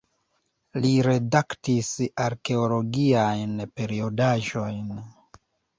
Li redaktis arkeologiajn periodaĵojn.